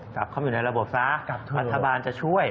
กลับเข้ามาในระบบซะรัฐบาลจะช่วย